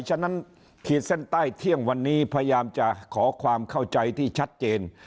ฉะนั้นขีดเส้นใต้เที่ยงวันนี้พยายามจะขอความเข้าใจที่ชัดเจน